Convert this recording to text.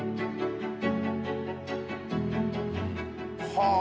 はあ！